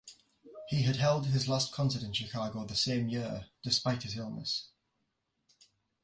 He had held his last concert in Chicago the same year, despite his illness.